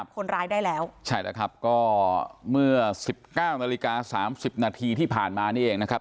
คนร้ายได้แล้วใช่แล้วครับก็เมื่อสิบเก้านาฬิกาสามสิบนาทีที่ผ่านมานี่เองนะครับ